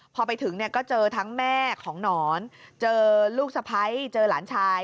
พอไปถึงเนี่ยก็เจอทั้งแม่ของหนอนเจอลูกสะพ้ายเจอหลานชาย